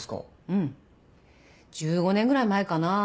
うん１５年ぐらい前かな。